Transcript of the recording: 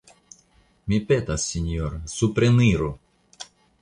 Mi petas, sinjoro: supreniru!